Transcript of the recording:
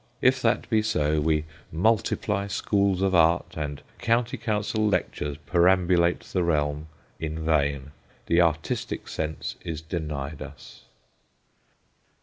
If that be so, we multiply schools of art and County Council lectures perambulate the realm, in vain. The artistic sense is denied us.